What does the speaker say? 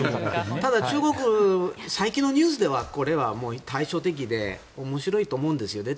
ただ中国、最近のニュースではこれは対照的で面白いと思うんですよね。